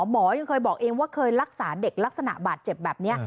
หมอยังเคยบอกเองว่าเคยรักษาเด็กลักษณะบาดเจ็บแบบนี้